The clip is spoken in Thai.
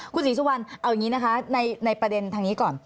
คุณศรีสุวรรณเอาอย่างนี้นะคะในประเด็นทางนี้ก่อน